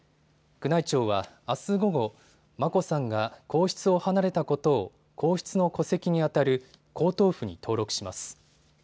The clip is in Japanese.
宮内庁はあす午後、眞子さんが皇室を離れたことを皇室の戸籍に当たる皇統譜に登録します。